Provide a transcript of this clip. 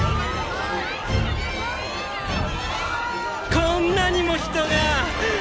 こんなにも人がっ！